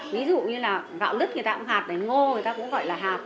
ví dụ như là gạo lứt người ta cũng hạt này ngô người ta cũng gọi là hạt